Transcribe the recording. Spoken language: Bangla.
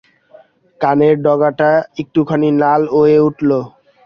কানের ডগাটা একটুখানি লাল হয়ে উঠল।